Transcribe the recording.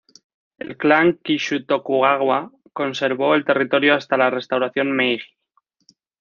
El clan Kishu-Tokugawa conservó el territorio hasta la restauración Meiji.